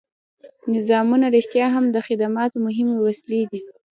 نظامونه رښتیا هم د خدماتو مهمې وسیلې دي.